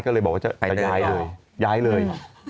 ก็เลยบอกว่าจะย้ายเลย